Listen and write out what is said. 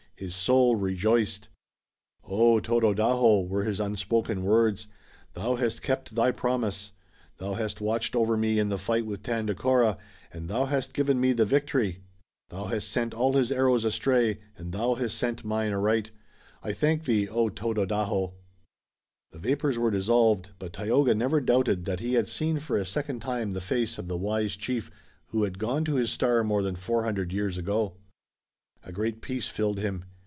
His soul rejoiced. "O Tododaho," were his unspoken words. "Thou hast kept thy promise! Thou hast watched over me in the fight with Tandakora, and thou hast given me the victory! Thou hast sent all his arrows astray and thou hast sent mine aright! I thank thee, O, Tododaho!" The vapors were dissolved, but Tayoga never doubted that he had seen for a second time the face of the wise chief who had gone to his star more than four hundred years ago. A great peace filled him.